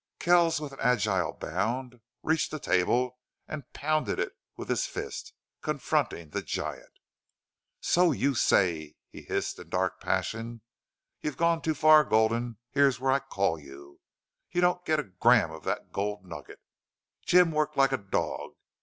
Kells, with an agile bound, reached the table and pounded it with his fist, confronting the giant. "So you say!" he hissed in dark passion. "You've gone too far, Gulden. Here's where I call you!... You don't get a gram of that gold nugget. Jim's worked like a dog.